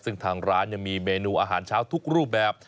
ซึ่งทางร้านยังมีเมนูอาหารเช้าทุกรูปแบบ